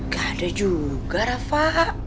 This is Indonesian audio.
gak ada juga rafa